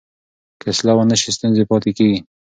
که اصلاح ونه سي ستونزې پاتې کېږي.